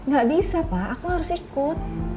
gak bisa pak aku harus ikut